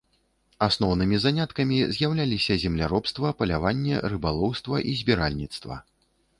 Асноўнымі заняткамі з'яўляліся земляробства, паляванне, рыбалоўства і збіральніцтва.